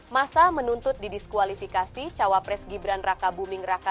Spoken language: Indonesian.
masa menuntut didiskualifikasi cawapres gibran raka buming raka